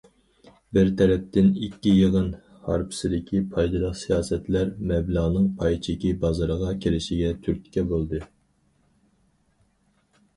بىر تەرەپتىن،‹‹ ئىككى يىغىن›› ھارپىسىدىكى پايدىلىق سىياسەتلەر مەبلەغنىڭ پاي چېكى بازىرىغا كىرىشىگە تۈرتكە بولىدۇ.